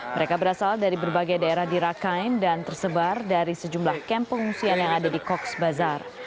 mereka berasal dari berbagai daerah di rakhine dan tersebar dari sejumlah kamp pengungsian yang ada di koks bazar